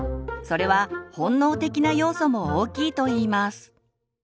それは本能的な要素も大きいといいます。